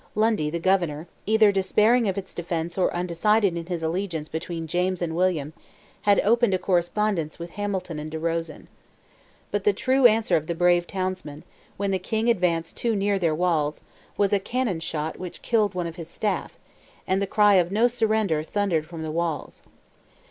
Lundy, the governor, either despairing of its defence, or undecided in his allegiance between James and William, had opened a correspondence with Hamilton and De Rosen. But the true answer of the brave townsmen, when the King advanced too near their walls, was a cannon shot which killed one of his staff, and the cry of "No Surrender" thundered from the walls.